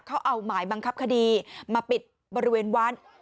เขาเอาหมายบังคับคดีมาปิดบริเวณวัด